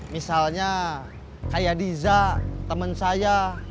misalnya kayak diza teman saya